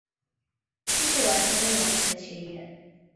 继续未完成的学业